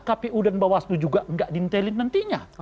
kpu dan bawaslu juga gak dintelin nantinya